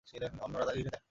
অন্যরা তাকে ঘিরে থাকে।